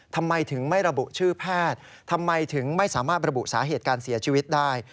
ทำไมถึงไม่ระบุชื่อแพทย์ทำไมถึงไม่สามารถระบุสาเหตุการเสียชีวิตได้